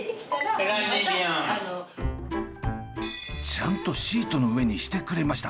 ちゃんとシートの上にしてくれました！